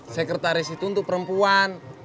sekretaris itu untuk perempuan